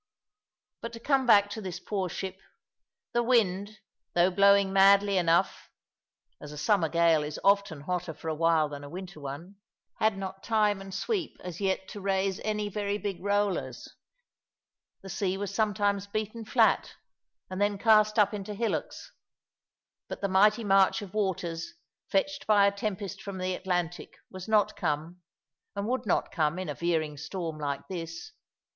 But to come back to this poor ship: the wind, though blowing madly enough (as a summer gale is often hotter for a while than a winter one), had not time and sweep as yet to raise any very big rollers. The sea was sometimes beaten flat and then cast up in hillocks; but the mighty march of waters fetched by a tempest from the Atlantic was not come, and would not come in a veering storm like this.